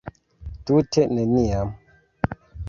Tute neniam.